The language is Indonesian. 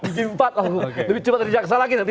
gigi empat lho lebih cepat dari jaksa lagi nanti